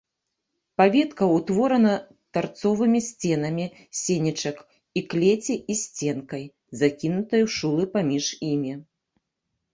Паветка ўтворана тарцовымі сценамі сенечак і клеці і сценкай, закінутай у шулы паміж імі.